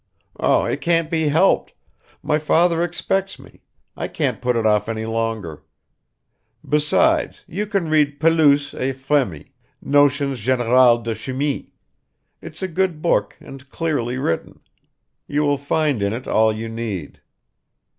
"It can't be helped! My father expects me; I can't put it off any longer. Besides, you can read Pelouse et Frémy, Notions Générales de Chimie; it's a good book and clearly written. You will find in it all you need."